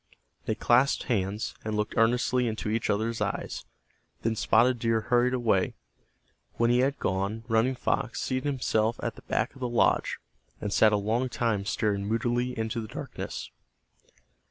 They clasped hands, and looked earnestly into each other's eyes. Then Spotted Deer hurried away. When he had gone Running Fox seated himself at the back of the lodge, and sat a long time staring moodily into the darkness.